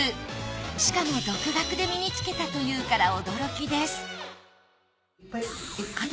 しかも独学で身に着けたというから驚きです